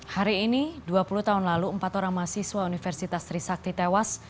hari ini dua puluh tahun lalu empat orang mahasiswa universitas trisakti tewas